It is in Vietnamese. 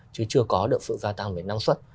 chứ chưa có được sự gia tăng về năng suất